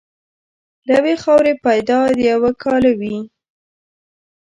له یوې خاورې پیدا د یوه کاله وې.